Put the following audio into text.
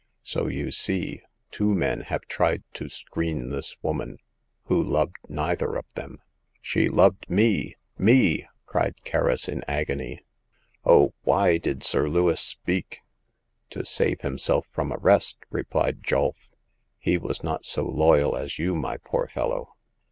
So, you see, two men have tried to screen this woman, who loved neither of them." " She loved me— me !" cried Kerris, in agony. Oh, why did Sir Lewis speak !*'" To save himself from arrest," replied Julf. He was not so loyal as you, my poor fellow.